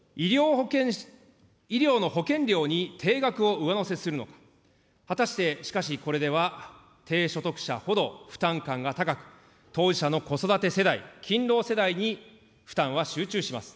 医療の保険料に定額を上乗せするのか、果たしてしかし、これでは低所得者ほど負担感が高く、当事者の子育て世代、勤労世代に負担は集中します。